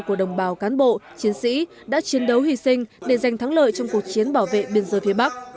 của đồng bào cán bộ chiến sĩ đã chiến đấu hy sinh để giành thắng lợi trong cuộc chiến bảo vệ biên giới phía bắc